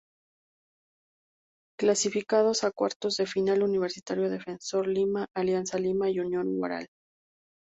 Clasificados a Cuartos de final: Universitario, Defensor Lima, Alianza Lima y Unión Huaral.